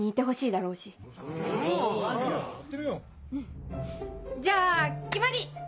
うんじゃあ決まり！